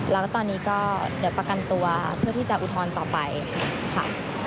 แล้วก็ตอนนี้ก็เดี๋ยวประกันตัวเพื่อที่จะอุทธรณ์ต่อไปค่ะ